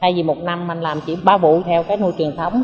thay vì một năm anh làm chỉ ba vụ theo cái nuôi truyền thống